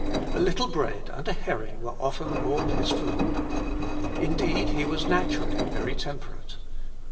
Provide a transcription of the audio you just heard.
A little bread and a herring were often all his food. Indeed, he was naturally very temperate.